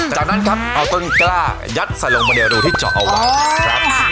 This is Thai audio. จากนั้นครับเอาต้นกล้ายัดใส่ลงไปในรูที่เจาะเอาไว้ครับ